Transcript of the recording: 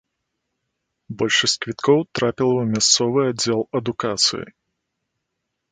Большасць квіткоў трапіла ў мясцовы аддзел адукацыі.